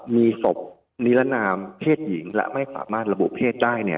มีศพนิรนามเพศหญิงและไม่สามารถระบุเพศได้